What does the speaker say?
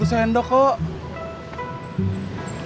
cuma satu sendok kok